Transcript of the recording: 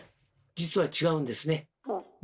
実は違うんですね。